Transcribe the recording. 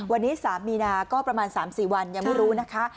วันนี้๓มีนาก็ประมาณ๓๔วันยังไม่รู้นะคะ